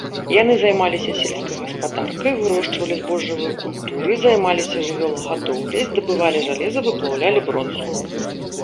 Яны займаліся сельскай гаспадаркай, вырошчвалі збожжавыя культуры, займаліся жывёлагадоўляй, здабывалі жалеза, выплаўлялі бронзу.